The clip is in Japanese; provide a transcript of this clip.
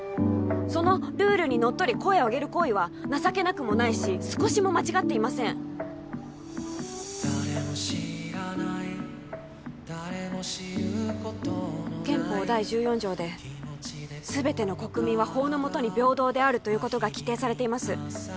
そのルールにのっとり声を上げる行為は情けなくもないし少しも間違っていません憲法第１４条で全ての国民は法の下に平等であるということが規定されています